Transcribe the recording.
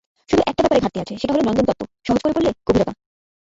শুধু একটা ব্যাপারে ঘাটতি আছে, সেটা হলো নন্দনতত্ত্ব, সহজ করে বললে গভীরতা।